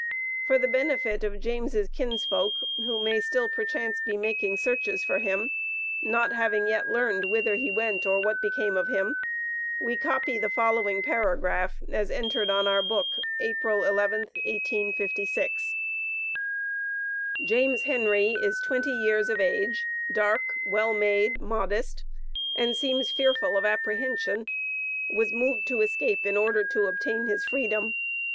For the benefit of James' kinsfolk, who may still perchance be making searches for him, not having yet learned whither he went or what became of him, we copy the following paragraph as entered on our book April 11th, 1856: James Henry is twenty years of age, dark, well made, modest, and seems fearful of apprehension; was moved to escape in order to obtain his freedom.